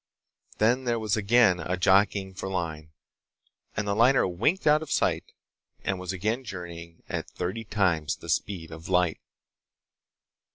Then there was again a jockeying for line, and the liner winked out of sight and was again journeying at thirty times the speed of light.